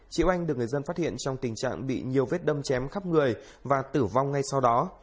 chị oanh được người dân phát hiện trong tình trạng bị nhiều vết đâm chém khắp người và tử vong ngay sau đó